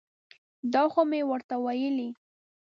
دا خو مې ورته ویلي.